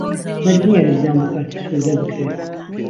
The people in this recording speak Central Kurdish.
مهرج نییه یاریزان به کارتی سوور دهربکرێ